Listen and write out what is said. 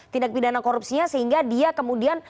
tindak pidana korupsinya sehingga dia kemudian